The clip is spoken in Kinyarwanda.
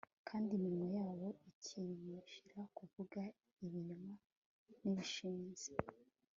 kandi iminwa yabo ikishimira kuvuga ibinyoma nibishenzi